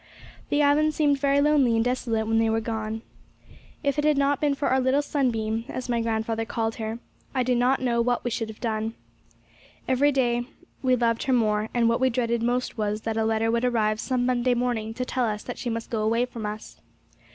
The island seemed very lonely and desolate when they were gone. If it had not been for our little sunbeam, as my grandfather called her, I do not know what we should have done. Every day we loved her more, and what we dreaded most was, that a letter would arrive some Monday morning to tell us that she must go away from us.